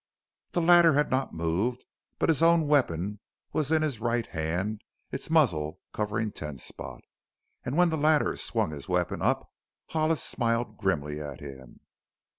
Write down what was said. The latter had not moved, but his own weapon was in his right hand, its muzzle covering Ten Spot, and when the latter swung his weapon up Hollis smiled grimly at him.